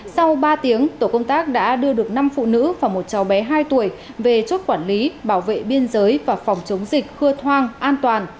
sau ba tiếng tổ công tác đã đưa được năm phụ nữ và một cháu bé hai tuổi về chốt quản lý bảo vệ biên giới và phòng chống dịch khua thoang an toàn